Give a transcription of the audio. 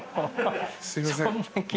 すいません。